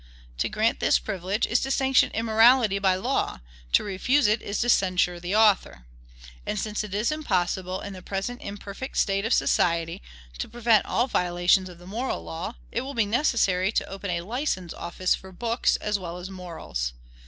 To grant this privilege is to sanction immorality by law; to refuse it is to censure the author. And since it is impossible, in the present imperfect state of society, to prevent all violations of the moral law, it will be necessary to open a license office for books as well as morals.